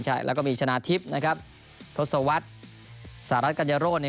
ใช่แล้วก็มีชนะทิพย์นะครับทศวรรษสหรัฐกัญญาโรธเนี่ย